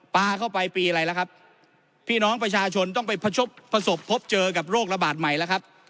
ปลาเข้าไปปีอะไรแล้วครับพี่น้องประชาชนต้องไปประสบพบเจอกับโรคระบาดใหม่แล้วครับ